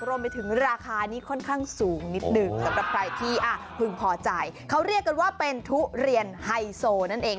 รวมไปถึงราคานี้ค่อนข้างสูงนิดหนึ่งสำหรับใครที่พึงพอใจเขาเรียกกันว่าเป็นทุเรียนไฮโซนั่นเอง